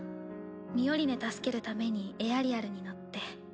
ミオリネ助けるためにエアリアルに乗って。